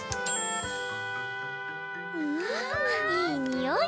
うんいいにおい。